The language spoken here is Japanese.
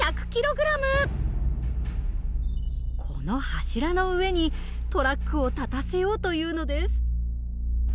この柱の上にトラックを立たせようというのです。